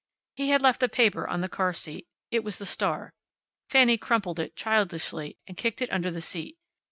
He had left a paper on the car seat. It was the Star. Fanny crumpled it, childishly, and kicked it under the seat.